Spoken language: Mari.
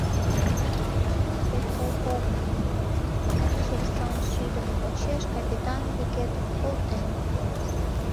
Миньым тине дек полковник Михельсон шюдымо почеш капитан Бекетов колтен.